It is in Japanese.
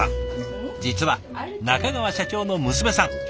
実は中川社長の娘さん。